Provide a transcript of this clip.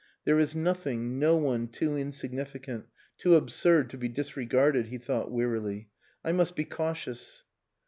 "There is nothing, no one, too insignificant, too absurd to be disregarded," he thought wearily. "I must be cautious."